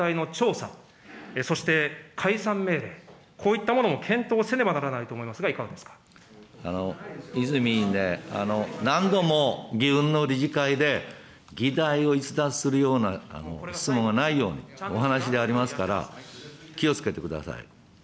その意味では、まさに現行法に基づくこの団体の調査、そして、解散命令、こういったものも検討せねばならないと思いますが、いか泉議員ね、何度も議運の理事会で、議題を逸脱するような質問が内容に、お話でありますから、気をつけてください。